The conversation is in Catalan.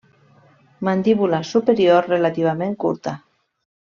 Mandíbula superior relativament curta.